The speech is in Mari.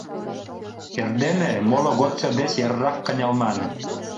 Эрдене моло годсо деч эррак кынелман.